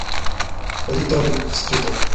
কিন্তু সেখানে জাতীয় ভাবের পরিধি অধিকতর বিস্তৃত।